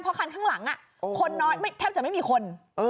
เพราะคันข้างหลังคนน้อยแทบจะไม่มีคน